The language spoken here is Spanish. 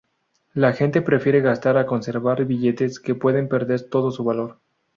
La gente prefiere gastar a conservar billetes que pueden perder todo su valor.